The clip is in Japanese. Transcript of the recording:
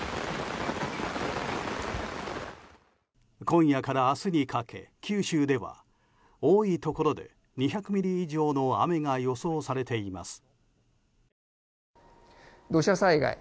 今夜から明日にかけて九州では多いところで２００ミリ以上の雨が予想されています。